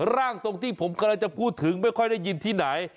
ร่างทรงที่ผมกำลังจะพูดถึงไม่ค่อยได้ยินที่ไหน